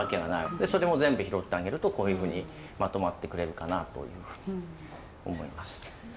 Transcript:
でそれも全部拾ってあげるとこういうふうにまとまってくれるかなというふうに思います。